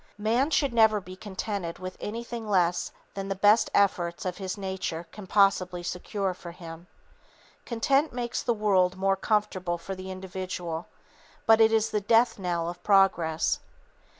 Man should never be contented with anything less than the best efforts of his nature can possibly secure for him. Content makes the world more comfortable for the individual, but it is the death knell of progress.